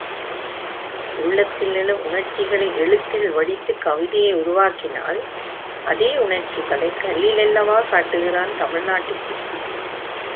உள்ளத்தில் எழும் உணர்ச்சிகளை எழுத்தில் வடித்து கவிதையை உருவாக்கினால், அதே உணர்ச்சிகளைக் கல்லிலல்லவர் காட்டுகிறான் தமிழ்நாட்டுச் சிற்பி.